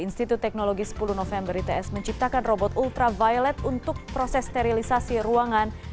institut teknologi sepuluh november its menciptakan robot ultraviolet untuk proses sterilisasi ruangan